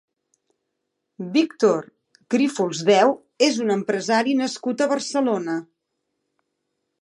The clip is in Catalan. Víctor Grífols Deu és un empresari nascut a Barcelona.